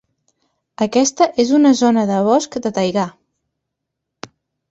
Aquesta és una zona de bosc de taigà.